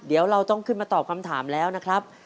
เดี๋ยวเราต้องขึ้นมาตอบคำถามแล้วนะครับ